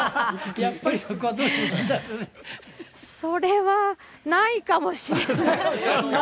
それはないかもしれない。